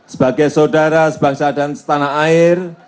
sebagai saudara sebangsa dan setanah air